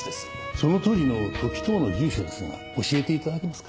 その当時の時任の住所ですが教えて頂けますか？